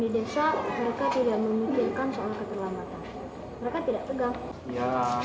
di desa mereka tidak memikirkan soal keterlambatan